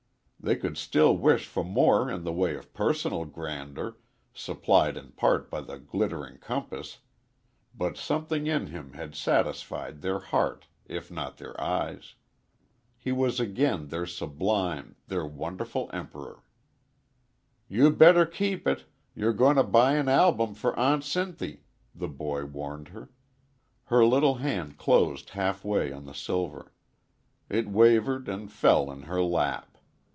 They could still wish for more in the way of personal grandeur, supplied in part by the glittering compass, but something in him had satisfied their hearts if not their eyes. He was again their sublime, their wonderful Emperor. "You better keep it; you're going to buy an album for Aunt Sinthy," the boy warned her. Her little hand closed half way on the silver; it wavered and fell in her lap.